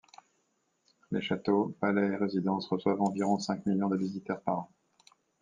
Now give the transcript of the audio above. Les châteaux, palais et résidences reçoivent environ cinq millions de visiteurs par an.